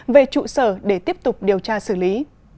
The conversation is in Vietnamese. về trụ sở để tiếp tục điều tra xử lý